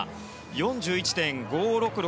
４１．５６６